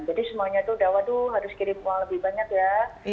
jadi semuanya tuh dawah tuh harus kirim uang lebih banyak ya